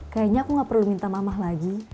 kayaknya aku gak perlu minta mamah lagi